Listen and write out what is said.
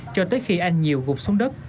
cho tới khi anh nhiều gục xuống đất